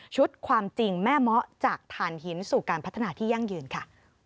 ความจริงแม่เมาะจากฐานหินสู่การพัฒนาที่ยั่งยืนค่ะ